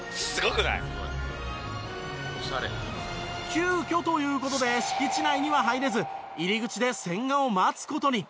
急遽という事で敷地内には入れず入り口で千賀を待つ事に。